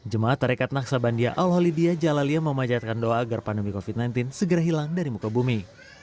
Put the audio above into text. jemaat terekat naksabandia al halidiyah jalaliyah memajatkan doa agar pandemi covid sembilan belas segera hilang dari muka bumi